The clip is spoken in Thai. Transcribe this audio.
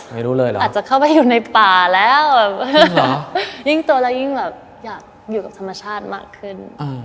ไม่รู้เลยเหรออาจจะเข้าไปอยู่ในป่าแล้วยิ่งโตแล้วยิ่งแบบอยากอยู่กับธรรมชาติมากขึ้น